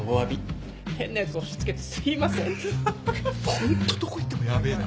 ホントどこ行ってもヤベえな。